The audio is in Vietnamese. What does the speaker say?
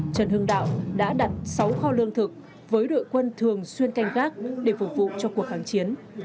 trần hưng đạo đã đặt sáu kho lương thực với đội quân thường xuyên canh gác để phục vụ cho cuộc kháng chiến